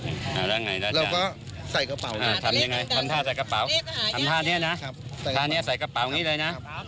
ทำอย่างไรทำท่าใส่กระเป๋าทำท่าเนี่ยนะใส่กระเป๋านี้เลยนะ